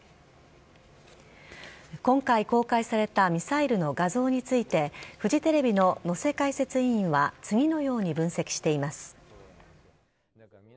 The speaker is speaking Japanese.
今回公開されたミサイルの画像についてフジテレビの能勢解説委員は次のように分析しています。